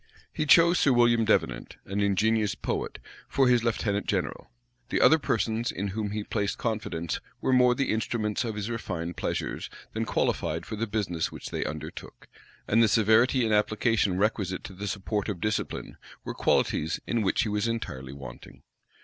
He chose Sir William Devenant, an ingenious poet, for his lieutenant general: the other persons in whom he placed confidence were more the instruments of his refined pleasures, than qualified for the business which they undertook; and the severity and application requisite to the support of discipline, were qualities in which he was entirely wanting.